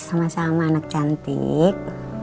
sama sama anak cantik